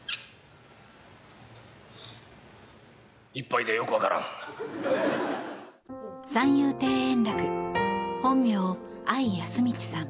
１杯ではよく分からん。